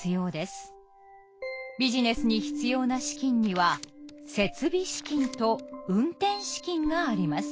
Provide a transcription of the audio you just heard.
ビシネスに必要な資金には「設備資金」と「運転資金」があります。